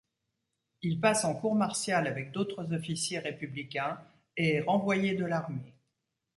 Il passe en cour martiale avec d'autres officiers républicains et est renvoyé de l'armée.